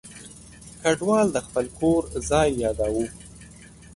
کډوال د خپل کور ځای یاداوه.